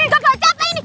gak mau capai ini